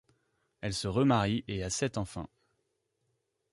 Elle se remarie et a sept enfants.